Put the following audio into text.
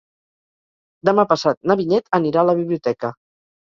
Demà passat na Vinyet anirà a la biblioteca.